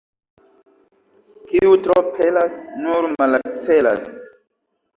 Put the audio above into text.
Kiu tro pelas, nur malakcelas.